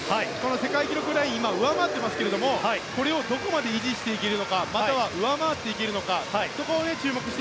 世界記録ラインを上回っていますがこれをどこまで維持していけるかまたは上回っていけるのか。